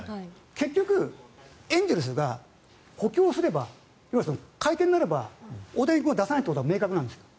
結局、エンゼルスが補強すれば買い手になれば大谷選手を出さないことは明白なんです。